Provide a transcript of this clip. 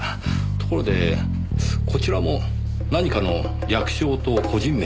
ところでこちらも何かの略称と個人名でしょうかねぇ？